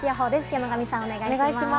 山神さん、お願いします。